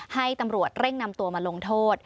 ให้ตำรวจเร่งนำตัวมาลงโทษ